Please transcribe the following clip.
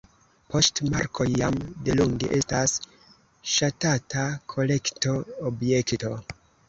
Poŝtmarkoj jam delonge estas ŝatata kolekto-objekto.